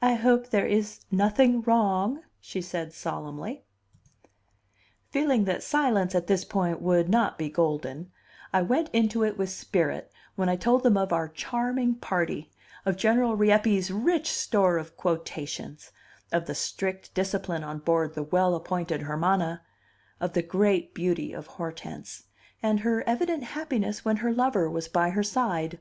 "I hope there is nothing wrong," she said solemnly. Feeling that silence at this point would not be golden, I went into it with spirit I told them of our charming party, of General Rieppe's rich store of quotations, of the strict discipline on board the well appointed Hermana, of the great beauty of Hortense, and her evident happiness when her lover was by her side.